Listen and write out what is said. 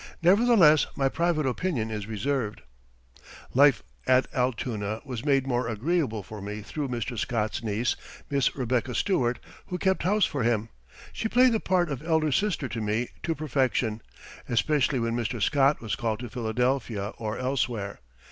Nevertheless my private opinion is reserved. Life at Altoona was made more agreeable for me through Mr. Scott's niece, Miss Rebecca Stewart, who kept house for him. She played the part of elder sister to me to perfection, especially when Mr. Scott was called to Philadelphia or elsewhere.